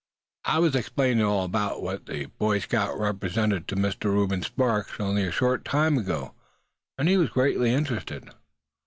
I was explaining all about what the Boy Scouts represent to Mr. Reuben Sparks only a short time ago, and he was greatly interested.